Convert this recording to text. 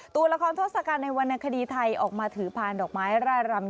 ตัวละครทศกาลในวรรณคดีไทยออกมาถือพานดอกไม้ร่ายรำ